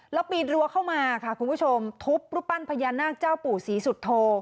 แล้วปีนรั้วเข้ามาค่ะคุณผู้ชมทุบรูปปั้นพญานาคเจ้าปู่ศรีสุโธ